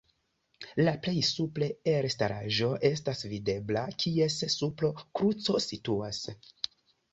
La plej supre elstaraĵo estas videbla, kies supro kruco situas.